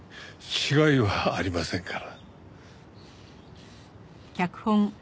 違いはありませんから。